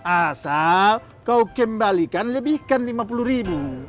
asal kau kembalikan lebihkan lima puluh ribu